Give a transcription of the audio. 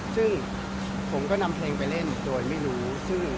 ซึ่งผมก็นำเพลงไปเล่นโดยไม่รู้